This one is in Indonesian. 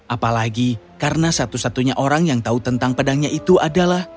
apalagi karena satu satunya orang yang tahu tentang pedangnya itu adalah